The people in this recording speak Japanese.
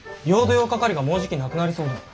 沃化カリがもうじきなくなりそうで。